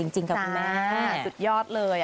จริงสุดยอดเลย